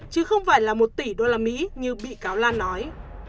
chứ không phải là một tỷ đô la mỹ như bị cáo lan nói